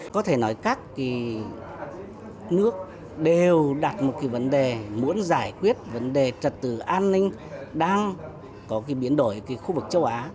có thể nói các nước đều đặt một vấn đề muốn giải quyết vấn đề trật tự an ninh đang có biến đổi khu vực châu á